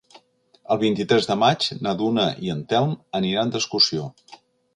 El vint-i-tres de maig na Duna i en Telm aniran d'excursió.